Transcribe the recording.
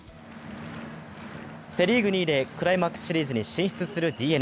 セ・リーグ２位でクライマックスシリーズに進出するＤｅＮＡ。